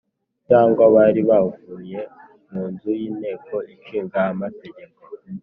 cyangwa bari bavuye mu nzu y'inteko ishinga amategeko